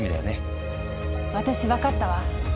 私分かったわ。